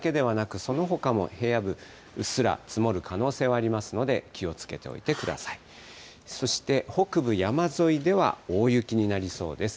そして北部、山沿いでは大雪になりそうです。